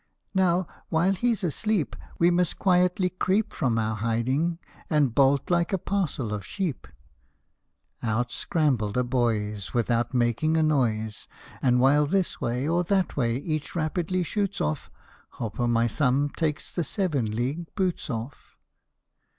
" Now while he 's asleep We must quietly creep From our hiding, and bolt like a parcel of sheep ! Out scramble the boys Without making a noise, And while this way or that way each rapidly shoots off, Hop o' my Thumb takes the Seven League Boots off.